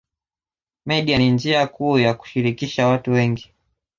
Media ni njia kuu ya kushirikisha watu wengi